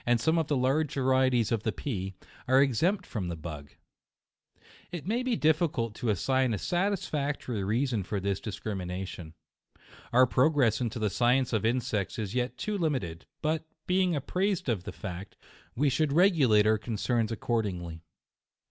13a some of the large varieties of the pea, are ex empt from the bug. It may be difficult to assign a satisfactory reason for this discrimination. Our progress in the science of insects is yet too limited *, but, being apprised of the fact, we should re gilate our concerns accordingly.